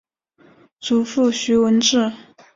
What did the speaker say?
祖父徐文质。